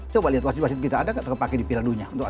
coba lihat wasit wasit kita ada terpakai di piala dunia